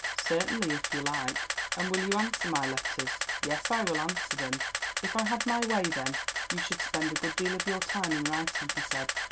"Certainly, if you like." "And will you answer my letters?" "Yes, I will answer them." "If I had my way, then, you should spend a good deal of your time in writing," he said.